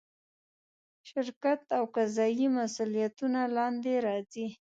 شرکت له قضایي مسوولیتونو لاندې راځي.